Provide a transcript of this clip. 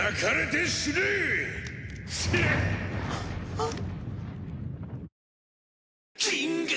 あっ。